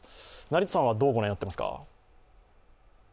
成田さんは、どうご覧になっていますか？